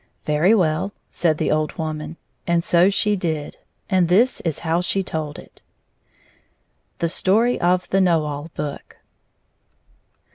"Very well," said the old woman. And so she did, and this was how she told The Story of the Know All Book.